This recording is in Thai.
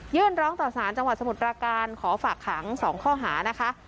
ยื่นร้องต่อสร้านจังหวัดสมุทรประการขอฝากหางสองข้อหานะคะ